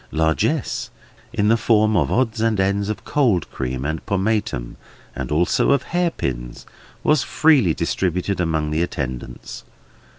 Largess, in the form of odds and ends of cold cream and pomatum, and also of hairpins, was freely distributed among the attendants.